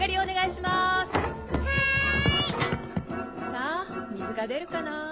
さぁ水が出るかなぁ？